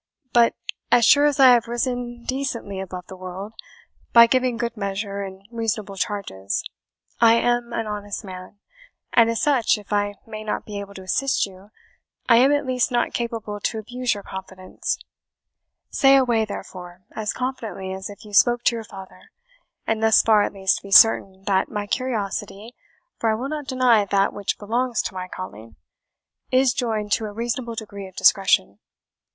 But as sure as I have risen decently above the world, by giving good measure and reasonable charges, I am an honest man; and as such, if I may not be able to assist you, I am, at least, not capable to abuse your confidence. Say away therefore, as confidently as if you spoke to your father; and thus far at least be certain, that my curiosity for I will not deny that which belongs to my calling is joined to a reasonable degree of discretion."